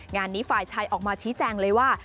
งานนี้ฝ่ายชายออกมาชี้แจงเลยว่า